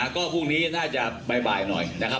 ก็พรุ่งนี้น่าจะบ่ายหน่อยนะครับ